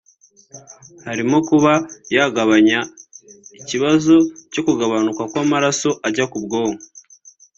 harimo kuba yagabanya ibibazo byo kugabanuka kw’amaraso ajya ku bwonko